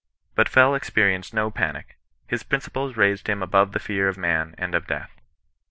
But Fell experienced no panic. His principles raised him above the fear of man and of death.